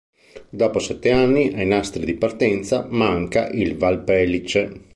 Dopo sette anni, ai nastri di partenza manca il Valpellice.